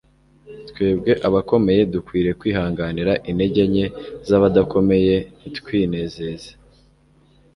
«Twebwe abakomeye dukwiriye kwihanganira intege nke z'abadakomeye, ntitwinezeze.'»